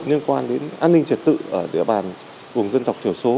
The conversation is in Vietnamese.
liên quan đến an ninh trật tự ở địa bàn vùng dân tộc thiểu số